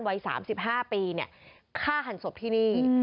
วัย๓๕ปีฆ่าหันศพที่นี่